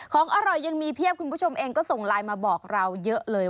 ของอร่อยยังมีเพียบคุณผู้ชมเองก็ส่งไลน์มาบอกเราเยอะเลย